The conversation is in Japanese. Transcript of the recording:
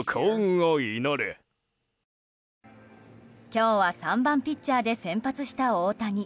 今日は３番ピッチャーで先発した大谷。